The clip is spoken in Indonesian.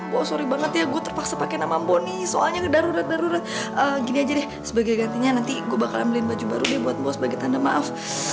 bo sorry banget ya gue terpaksa pake nama bonny soalnya ngedarurat darurat gini aja deh sebagai gantinya nanti gue bakalan beliin baju baru deh buat mohon sebagai tanda maaf